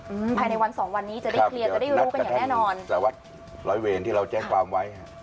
หลายในวัน๒วันนี้จะได้เคลียร์ใสวัดร้อยเวรที่เราแจ๊กความไว้